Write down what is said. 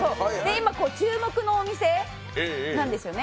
今、注目のお店なんですよね。